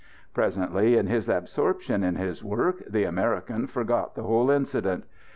Presently, in his absorption in his work, the American forgot the whole incident.